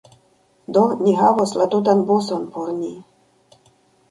Do, ni havos la tutan buson por ni